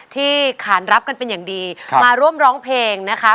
ขานรับกันเป็นอย่างดีมาร่วมร้องเพลงนะคะ